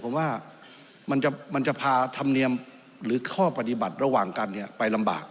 ผมว่ามันจะพาธรรมเนียมหรือข้อปฏิบัติระหว่างกันไปลำบาก